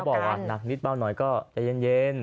แต่เหมือนที่เขาบอกว่านักนิดเบาหน่อยก็ใจเย็น